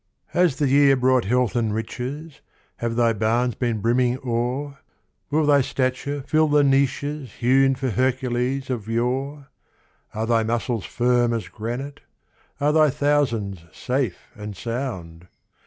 Has the year brought health and riches? Have thy barns been brimming o'er? Will thy stature fit the niches Hewn for Hercules of yore? Are thy muscles firm as granite? Are thy thousands safe and sound?